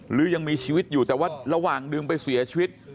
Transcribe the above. หรือยังมีชีวิตอยู่แต่ว่าระหว่างดึงไปเสียชีวิต